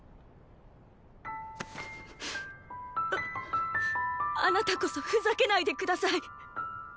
ああなたこそふざけないで下さい。